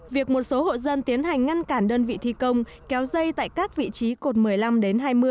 việc một số hộ dân tiến hành ngăn cản đơn vị thi công kéo dây tại các vị trí cột một mươi năm đến hai mươi